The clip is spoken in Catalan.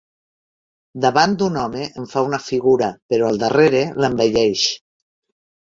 Davant d'un home en fa una figura però al darrere l'envelleix.